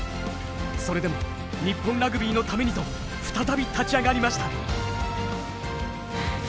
それでも日本ラグビーのためにと再び立ち上がりました。